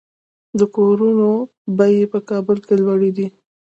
د کورونو بیې په کابل کې لوړې دي